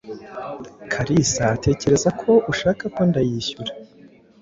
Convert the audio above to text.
Kalisa atekereza ko ushaka ko ndayishyura.